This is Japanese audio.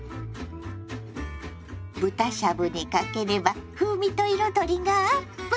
豚しゃぶにかければ風味と彩りがアップ。